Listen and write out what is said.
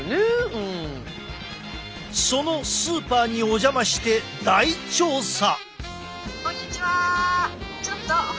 そのスーパーにお邪魔して大調査！